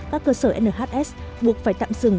các cơ sở nhs buộc phải tạm dừng